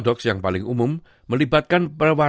di rumah dan kita semua berkontribusi